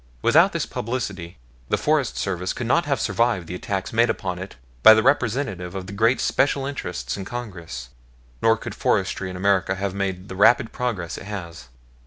Without this publicity the Forest Service could not have survived the attacks made upon it by the representatives of the great special interests in Congress; nor could forestry in America have made the rapid progress it has.